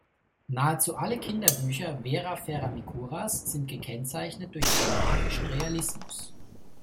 Nahezu alle Kinderbücher Vera Ferra-Mikuras sind gekennzeichnet durch einen magischen Realismus.